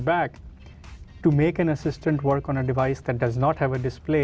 untuk membuat asisten bekerja di jenis perangkat yang tidak memiliki display